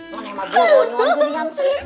ngelemah bomohin aja liat sri